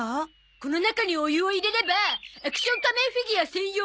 この中にお湯を入れればアクション仮面フィギュア専用